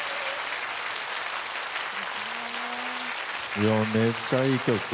いやめっちゃいい曲。